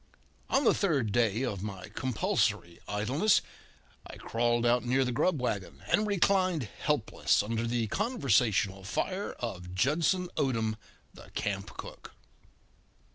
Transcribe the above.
On the third day of my compulsory idleness I crawled out near the grub wagon, and reclined helpless under the conversational fire of Judson Odom, the camp cook.